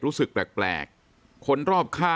รู้สึกแปลก